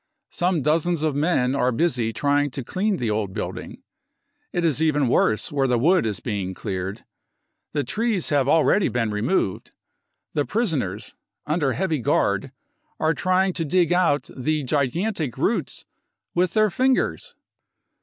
Some dozens of men are busy trying to clean the old building. ... It is even worse where the wood is being cleared. The trees have already been removed. The prisoners, under heavy guard, are trying to dig out the gigantic roots with their fingers.